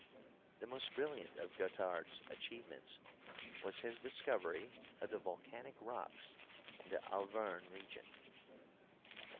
The most brilliant of Guettard's achievements was his discovery of the vol canic rocks in the Auvergne region.